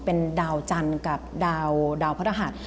เป็นดาวจันทร์กับดาวพระรหัส